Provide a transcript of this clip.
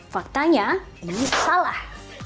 faktanya ini salah